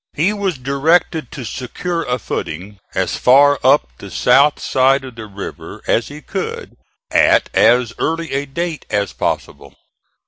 He was directed to secure a footing as far up the south side of the river as he could at as early a date as possible.